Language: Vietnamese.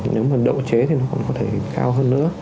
nếu mà độ chế thì nó cũng có thể cao hơn nữa